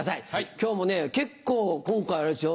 今日もね結構今回あれですよ。